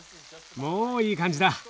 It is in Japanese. もういい感じだ。